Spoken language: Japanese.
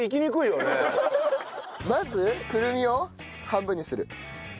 まずくるみを半分にする。